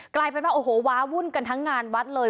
กลายเป็นว่าโอ้โหว้าวุ่นกันทั้งงานวัดเลย